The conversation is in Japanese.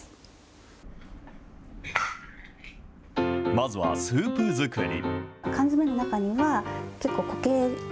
まずは、スープ作り。